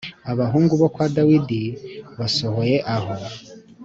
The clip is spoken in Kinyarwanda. Abahungu bo kwa Dawidi basohoye aho